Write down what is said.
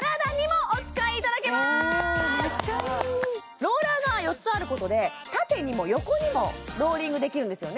めっちゃいいローラーが４つあることで縦にも横にもローリングできるんですよね